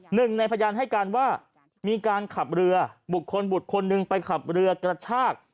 หนึ่งในพยานให้การว่ามีการขับเรือบุคคลบุตรคนหนึ่งไปขับเรือกระชาก